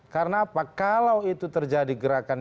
karena apa kalau itu terjadi gerakan